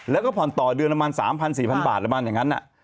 แล้วก็ผ่อนต่อเดือนประมาณ๓๐๐๔๐๐บาทประมาณอย่างนั้น